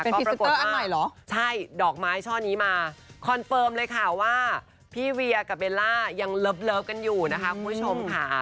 พอปรากฏอันใหม่เหรอใช่ดอกไม้ช่อนี้มาคอนเฟิร์มเลยค่ะว่าพี่เวียกับเบลล่ายังเลิฟกันอยู่นะคะคุณผู้ชมค่ะ